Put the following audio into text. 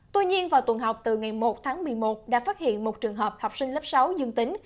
tuy nhiên vào tuần học từ ngày một tháng một mươi một đã phát hiện một trường hợp học sinh lớp sáu dương tính